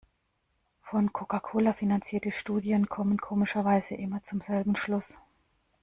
Von Coca-Cola finanzierte Studien kommen komischerweise immer zum selben Schluss.